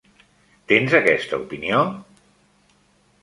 Tens aquesta opinió?